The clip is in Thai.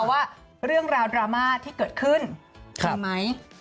ว่าเรื่องราวดราม่าที่เกิดขึ้นมีไหม